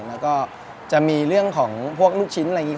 แล้วก็จะมีเรื่องของพวกลูกชิ้นอะไรอย่างนี้